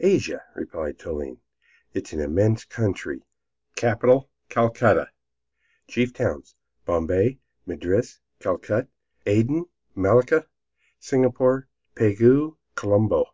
"Asia," replied Toline, "is an immense country. Capital Calcutta. Chief Towns Bombay, Madras, Calicut, Aden, Malacca, Singapore, Pegu, Colombo.